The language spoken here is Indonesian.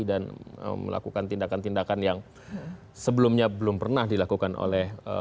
dan melakukan tindakan tindakan yang sebelumnya belum pernah dilakukan oleh